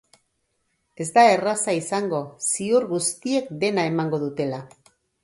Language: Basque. Ez da erraza izango, ziur guztiek dena emango dutela.